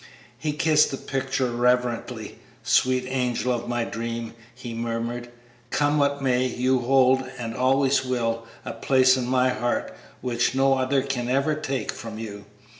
He kissed the picture reverently. "Sweet angel of my dream!" he murmured; "come what may, you hold, and always will, a place in my heart which no other can ever take from you.